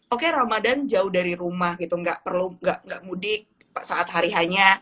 oke ramadan jauh dari rumah gitu nggak perlu nggak mudik saat hari hanya